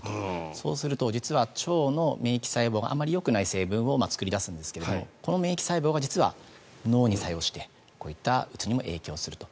そうすると、実は腸の免疫細胞があまりよくない成分を作り出すんですがこの免疫細胞が実は脳に作用してこういったうつにも影響すると。